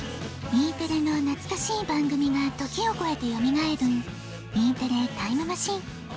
Ｅテレのなつかしい番組が時をこえてよみがえるＥテレタイムマシン。